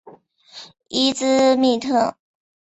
伊兹密特。